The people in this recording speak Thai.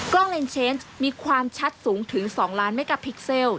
เลนเชนส์มีความชัดสูงถึง๒ล้านเมกาพิกเซล